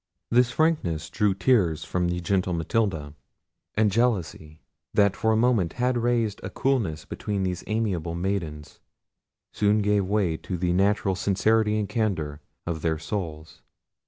This frankness drew tears from the gentle Matilda; and jealousy that for a moment had raised a coolness between these amiable maidens soon gave way to the natural sincerity and candour of their souls.